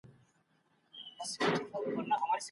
که ته وغواړې نو زه به ستا د ارمانونو لپاره دعا وکړم.